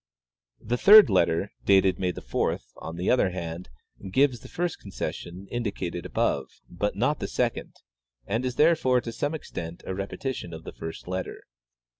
" The third letter, dated May 4, on the other han,d gives the first concession indicated above, but not the second, and is, therefore, to some extent, a repetition of the first letter.